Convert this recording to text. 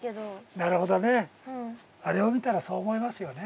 あなるほどね。あれを見たらそう思いますよね。